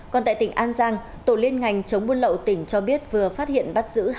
còn tại tỉnh an giang tổ liên ngành chống buôn lậu tỉnh cho biết vừa phát hiện bắt giữ